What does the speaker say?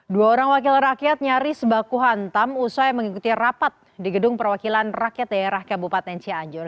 dua orang wakil rakyat nyaris baku hantam usai mengikuti rapat di gedung perwakilan rakyat daerah kabupaten cianjur